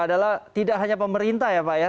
adalah tidak hanya pemerintah ya pak ya